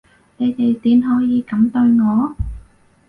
你哋點可以噉對我？